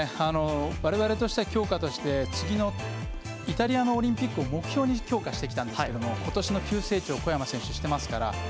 我々としては強化として次のイタリアのオリンピックを目標に強化してきたんですけど今年、急成長小山選手、していますから。